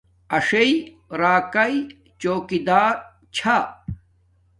اݽݵ راکاݵ چوکی دار چھا